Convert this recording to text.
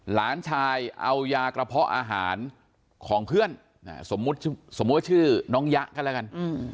หลานชายเอายากระเพาะอาหารของเพื่อนสมมติชื่อน้องยะก็แล้วกัน